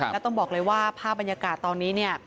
แล้วต้องบอกเลยว่าภาพบรรยากาศตอนนี้เนี่ย